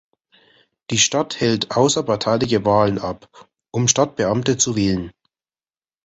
Die Stadt hält außerparteiliche Wahlen ab, um Stadtbeamte zu wählen.